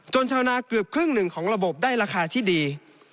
ชาวนาเกือบครึ่งหนึ่งของระบบได้ราคาที่ดี